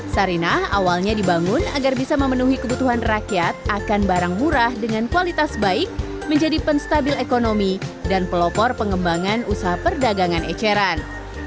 sarinah awalnya dibangun agar bisa memenuhi kebutuhan rakyat akan barang murah dengan kualitas baik menjadi penstabil ekonomi dan pelopor pengembangan usaha perdagangan eceran